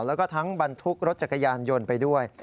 แล้วก็ทั้งบรรทุกรถจักรยานยนต์ไปด้วย